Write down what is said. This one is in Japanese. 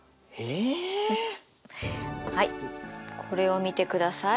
はいこれを見てください。